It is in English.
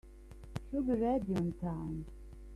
He'll be ready on time.